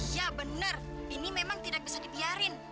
iya bener ini memang tidak bisa dibiarin